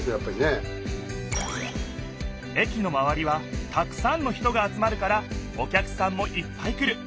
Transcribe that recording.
駅のまわりはたくさんの人が集まるからお客さんもいっぱい来る。